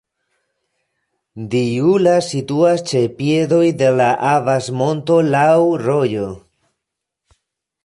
Djula situas ĉe piedoj de la Avas-monto, laŭ rojo.